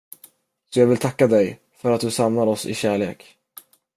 Så jag vill tacka dig, för att du samlar oss i kärlek.